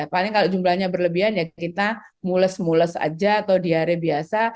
paling kalau jumlahnya berlebihan kita mules mules saja atau diare biasa